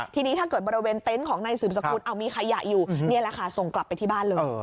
ทีนี้ถ้าเกิดบริเวณเต็นต์ของนายสืบสกุลมีขยะอยู่นี่แหละค่ะส่งกลับไปที่บ้านเลย